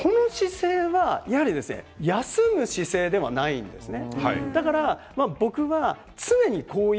この姿勢はやはり休む姿勢ではないんですね。